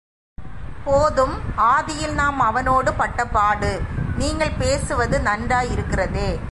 போதும், ஆதியில் நாம் அவனோடு பட்டபாடு! நீங்கள் பேசுவது நன்றாயிருக்கிறதே.